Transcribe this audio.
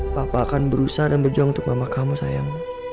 papa akan berusaha dan berjuang untuk mama kamu sayang